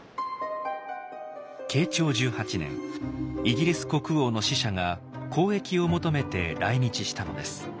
慶長１８年イギリス国王の使者が交易を求めて来日したのです。